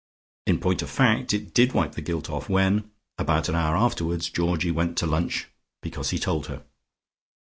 In point of fact it did wipe the gilt off when, about an hour afterwards, Georgie went to lunch because he told her.